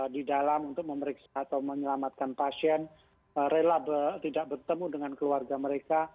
di dalam untuk memeriksa atau menyelamatkan pasien rela tidak bertemu dengan keluarga mereka